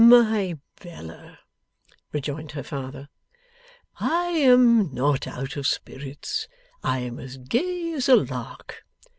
'My Bella,' rejoined her father, 'I am not out of spirits. I am as gay as a lark.